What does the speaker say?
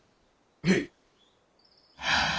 へい。